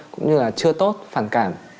cũng như là chưa tốt phản cảm